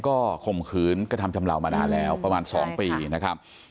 ก็ข่มขืนกระทำชำเหล่ามานานแล้วประมาณ๒ปีนะครับ